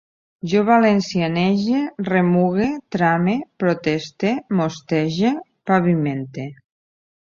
Jo valencianege, remugue, trame, proteste, mostege, pavimente